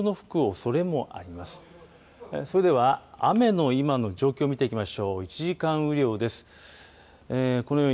それでは雨の今の状況、見ていきましょう。